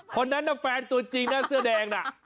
แฟนตัวจริงหน้าเสื้อแดงนะ